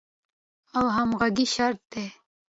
او همغږۍ شرط دی.